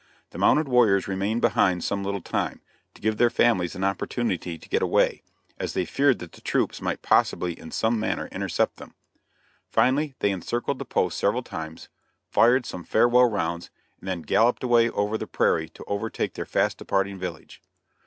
The mounted warriors remained behind some little time, to give their families an opportunity to get away, as they feared that the troops might possibly in some manner intercept them. Finally, they encircled the post several times, fired some farewell rounds, and then galloped away over the prairie to overtake their fast departing village.